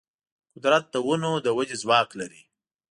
قدرت د ونو د ودې ځواک لري.